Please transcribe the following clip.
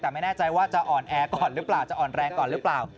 แต่ไม่แน่ใจว่าจะอ่อนแอก่อนหรือเปล่าจะอ่อนแรงก่อนหรือเปล่า